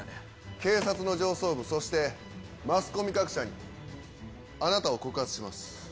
警察の上層部、そしてマスコミ各社にあなたを告発します。